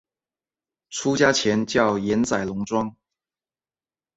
出家前叫岩仔龙庄。